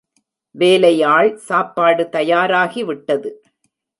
வேலை ஆள் சாப்பாடு தயாராகிவிட்டது.